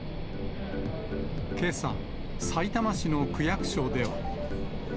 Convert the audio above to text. けさ、さいたま市の区役所では。